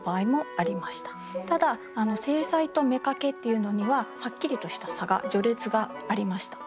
ただ正妻と妾っていうのにははっきりとした差が序列がありました。